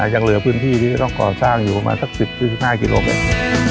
ยังเหลือพื้นที่ที่ต้องก่อสร้างอยู่ประมาณสัก๑๐๑๕กิโลเมตร